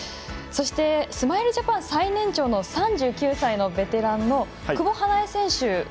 そしてスマイルジャパン最年長の３９歳のベテランの久保英恵選手。